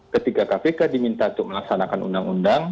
ketika kpk diminta untuk melaksanakan undang undang